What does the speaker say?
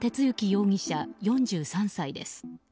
容疑者、４３歳です。